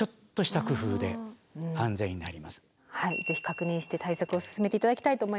ぜひ確認して対策を進めて頂きたいと思います。